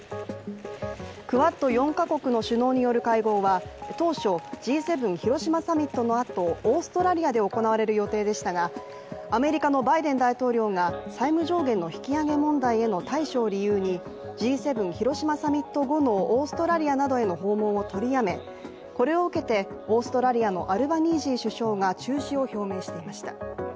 クアッド４か国の首脳による会合は当初Ｇ７広島サミットのあとオーストラリアで行われる予定でしたが、アメリカのバイデン大統領が債務上限の引き上げ問題への対処を理由にＧ７広島サミット後のオーストラリアなどへの訪問を取りやめこれを受けて、オーストラリアのアルバニージー首相が中止を表明していました。